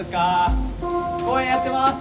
公演やってます。